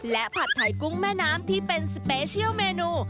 และผัดไทยกุ้งแม่น้ำที่เป็นสเปเชียลเมนู